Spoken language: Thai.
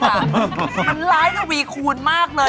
มันร้ายทวีคูณมากเลย